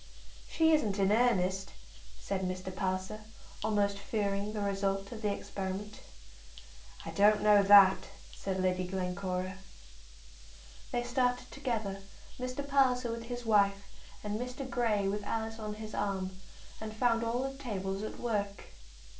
"She isn't in earnest," said Mr. Palliser, almost fearing the result of the experiment. "I don't know that," said Lady Glencora. They started together, Mr. Palliser with his wife, and Mr. Grey with Alice on his arm, and found all the tables at work.